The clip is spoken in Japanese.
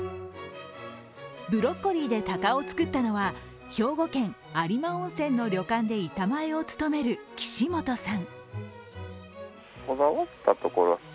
ブロッコリーで鷹を作ったのは兵庫県有馬温泉の旅館で板前を務める岸本さん。